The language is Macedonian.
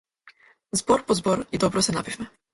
Збор по збор, и добро се напивме.